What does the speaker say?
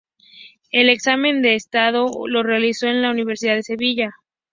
El examen de estado lo realizó en la Universidad de Sevilla.